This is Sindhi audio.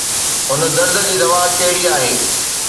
هن درد جي دوا ڪهڙي آهي؟